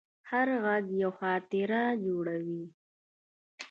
هر غږ یوه خاطره جوړوي.